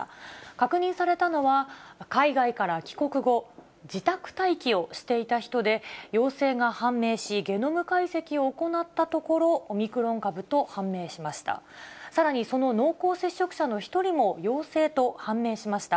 確認されたのは、海外から帰国後、自宅待機をしていた人で、陽性が判明し、ゲノム解析を行ったところ、オミクロン株と判明しました。